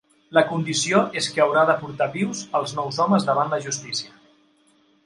La condició és que haurà de portar vius els nou homes davant la justícia.